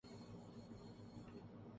اختر مینگل قومی اسمبلی کی نشست سے مستعفی